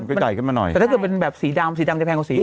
ก็จ่ายขึ้นมาหน่อยแต่ถ้าเกิดเป็นแบบสีดำสีดำจะแพงกว่าสี